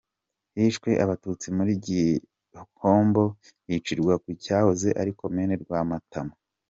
Hishwe abatutsi muri Gihombo bicirwa ku cyahoze ari Komine Rwamatamu.